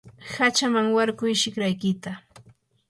hachaman warkuy shikarkita.